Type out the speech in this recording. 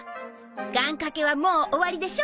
願掛けはもう終わりでしょ？